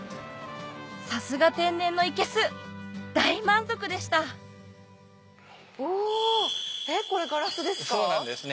さすが天然のいけす大満足でしたこれガラスですか？